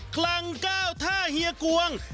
คลังก้าวท่าเหยียกวง